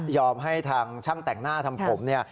ให้ทางช่างแต่งหน้าทำผมเนี่ย